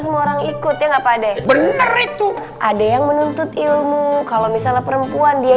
semua orang ikut ya enggak pada bener itu ada yang menuntut ilmu kalau misalnya perempuan dia